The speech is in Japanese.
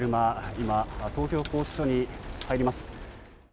今、東京拘置所に入ります。